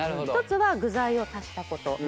一つは具材を足したこと。